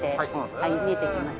はい見えてきます。